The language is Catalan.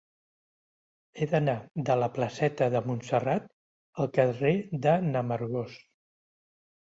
He d'anar de la placeta de Montserrat al carrer de n'Amargós.